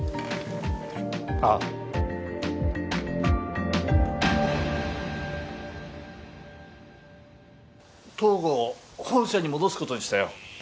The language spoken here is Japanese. ああ東郷を本社に戻すことにしたよ